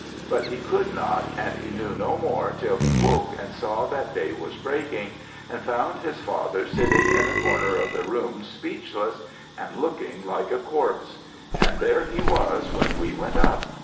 But he could not, and he knew no more till he woke and saw that day was breaking, and found his father sitting in a corner of the room speechless, and looking like a corpse; and there he was when we went up.